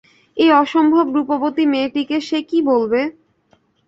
এই অসম্ভব রূপবতী মেয়েটিকে সে কী বলবে?